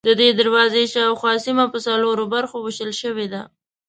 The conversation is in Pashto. ددې دروازې شاوخوا سیمه په څلورو برخو وېشل شوې ده.